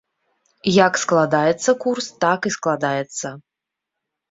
Як складаецца курс, так і складаецца.